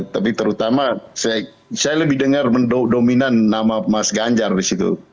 tapi terutama saya lebih dengar dominan nama mas ganjar di situ